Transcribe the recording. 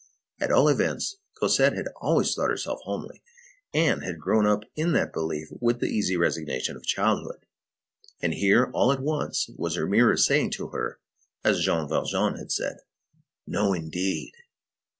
At all events, Cosette had always thought herself homely, and had grown up in that belief with the easy resignation of childhood. And here, all at once, was her mirror saying to her, as Jean Valjean had said: "No indeed!"